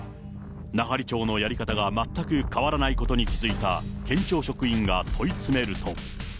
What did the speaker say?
奈半利町のやり方が全く変わらないことに気付いた県庁職員が問い詰めると。